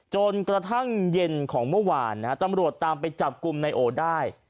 จนกระทั่งเย็นของเมื่อวานนะฮะตำรวจตามไปจับกลุ่มนายโอได้